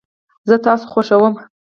زه تاسو خوښوم